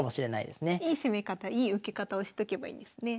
いい攻め方いい受け方をしとけばいいんですね。